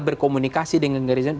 berkomunikasi dengan generasi milenial